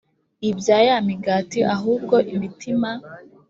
ibya ya migati ahubwo imitima